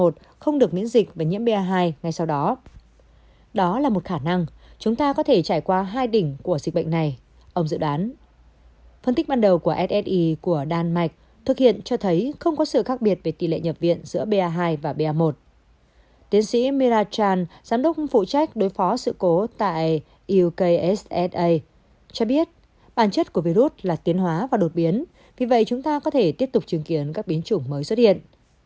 tiến sĩ mira chan giám đốc phụ trách đối phó sự cố tại ukssa cho biết bản chất của virus là tiến hóa và đột biến vì vậy chúng ta có thể tiếp tục chứng kiến các biến chủng mới xuất hiện